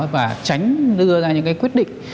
và tránh đưa ra những cái quyết định